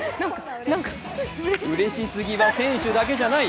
うれし過ぎは選手だけではない。